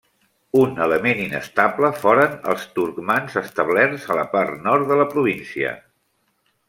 Un element inestable foren els turcmans establerts a la part nord de la província.